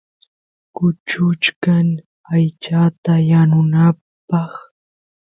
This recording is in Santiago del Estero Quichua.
kuchuchkan aychata yanunapaq